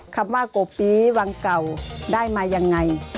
คำว่าโกปีวังเก่าได้มายังไง